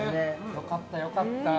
◆よかったよかった。